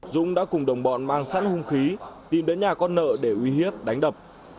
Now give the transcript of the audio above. dũng đã cùng đồng bọn mang sẵn hung khí tìm đến nhà con nợ để uy hiếp đánh đập